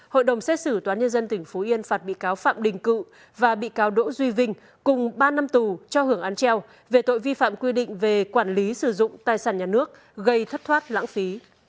hội đồng xét xử toán nhân dân tỉnh phú yên phạt bị cáo phạm đình cự và bị cáo đỗ duy vinh cùng ba năm tù cho hưởng án treo về tội vi phạm quy định về quản lý sử dụng tài sản nhà nước gây thất thoát lãng phí